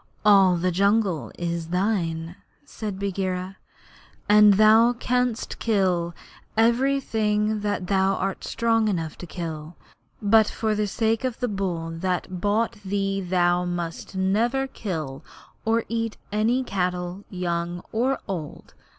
'All the jungle is thine,' said Bagheera, 'and thou canst kill everything that thou art strong enough to kill; but for the sake of the bull that bought thee thou must never kill or eat any cattle young or old.